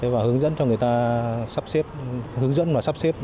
và hướng dẫn cho người ta sắp xếp hướng dẫn và sắp xếp